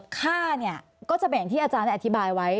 ค่าเนี่ยก็จะเป็นอย่างที่อาจารย์ได้อธิบายไว้